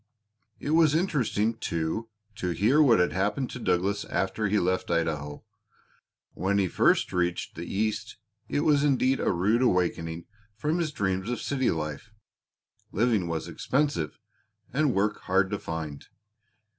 It was interesting, too, to hear what had happened to Douglas after he left Idaho. When he first reached the East it was indeed a rude awakening from his dreams of city life; living was expensive, and work hard to find.